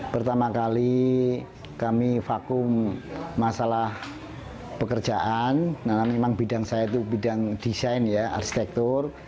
pertama kali kami vakum masalah pekerjaan karena memang bidang saya itu bidang desain ya arsitektur